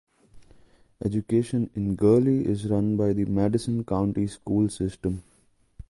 Education in Gurley is run by the Madison County School System.